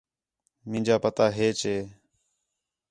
مینجا پتا ہیچ ہے